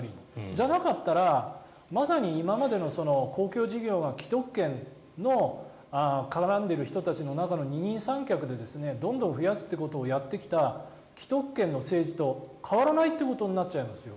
じゃなかったらまさに今までの公共事業が既得権に絡んでいる人たちの中の二人三脚でどんどん増やすということをやってきた既得権の政治と変わらないということになっちゃいますよ。